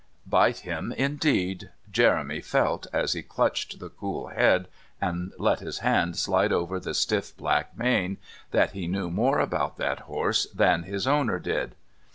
Bite him indeed! Jeremy felt, as he clutched the cool head and let his hand slide over the stiff black mane, that he knew more about that horse than his owner did.